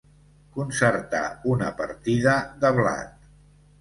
Concertar una partida de blat.